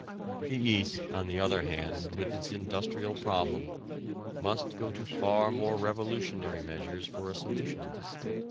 The East, on the other hand, with its industrial problem must go to far more revolutionary measures for a solution.